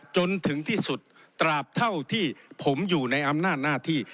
จนถึงที่สุดตราบเท่าที่ผมอยู่ในอำนาจหน้าที่